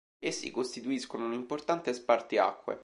Essi costituiscono un importante spartiacque.